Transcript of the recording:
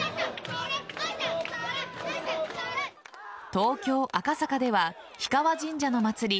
東京・赤坂では氷川神社の祭り